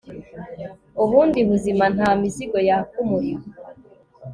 ubundi buzima, nta mizigo yaka umuriro